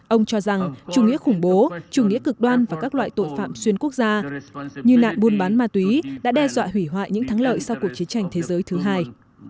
ông cho rằng chủ nghĩa khủng bố chủ nghĩa cực đoan và các loại tội phạm xuyên quốc gia như nạn buôn bán ma túy đã đe dọa hủy hoại những thắng lợi sau cuộc chiến tranh thế giới thứ hai